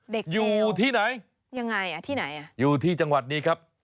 อยู่ที่ไหนยังไงอ่ะที่ไหนอ่ะอยู่ที่จังหวัดนี้ครับ